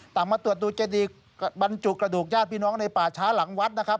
มาตรวจดูเจดีบรรจุกระดูกญาติพี่น้องในป่าช้าหลังวัดนะครับ